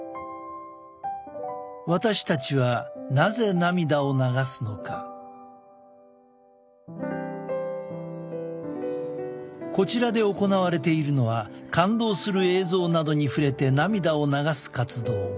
私たちはこちらで行われているのは感動する映像などに触れて涙を流す活動